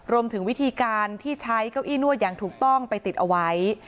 รวมถึงวิธีการที่ใช้เก้าอี้นวดอย่างถูกต้องไปติดเอาไว้